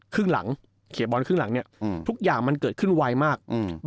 ครึ่งหลังเคลียร์บอลครึ่งหลังเนี่ยทุกอย่างมันเกิดขึ้นไวมาก